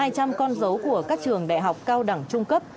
hai trăm linh con dấu của các trường đại học cao đẳng trung cấp